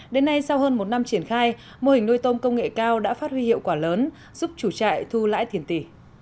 đến nay sau hơn một năm triển khai mô hình nuôi tôm công nghệ cao đã phát huy hiệu quả lớn giúp chủ trại thu lãi tiền tỷ